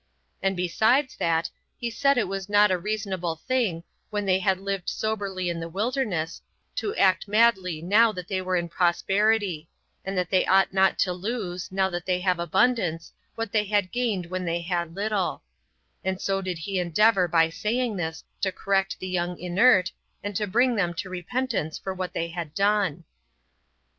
And besides that, he said it was not a reasonable thing, when they had lived soberly in the wilderness, to act madly now when they were in prosperity; and that they ought not to lose, now they have abundance, what they had gained when they had little: and so did he endeavor, by saying this, to correct the young inert, and to bring them to repentance for what they had done.